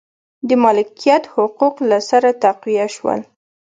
د مالکیت حقوق له سره تقویه شول.